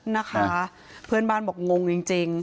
นะคะเพื่อนบ้านบอกงงจริง